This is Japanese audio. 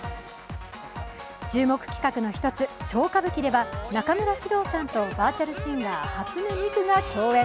注目企画の一つ、超歌舞伎では中村獅童さんとバーチャルシンガー初音ミクが共演。